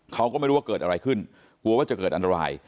เขาก็ไม่รู้ว่าเกิดอะไรขึ้นกลัวว่าจะเกิดอันตราย